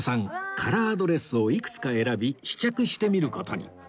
カラードレスをいくつか選び試着してみる事に